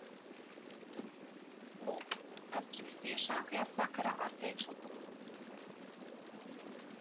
Lūk, tas ir vistiešākajā sakarā ar priekšlikumu.